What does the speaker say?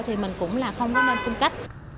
thì mình cũng không nên cung cấp